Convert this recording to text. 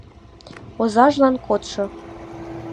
Озажлан кодшо.